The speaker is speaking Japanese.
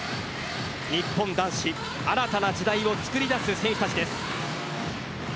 日本男子新たな時代を作り出す選手たちです。